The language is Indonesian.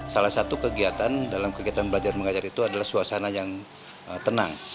salah satu kegiatan dalam kegiatan belajar mengajar itu adalah suasana yang tenang